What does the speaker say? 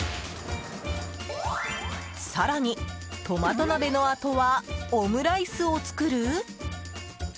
更に、トマト鍋のあとはオムライスを作る？